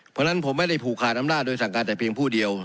เพราะฉะนั้นผมไม่ได้ผูกขาดอำนาจโดยสั่งการแต่เพียงผู้เดียว